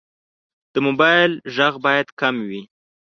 د موبایل غږ باید کم وي.